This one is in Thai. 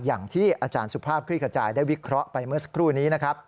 อย่างที่อาจารย์สุภาพคลี่ขจายได้วิเคราะห์ไปเมื่อสักครู่นี้นะครับ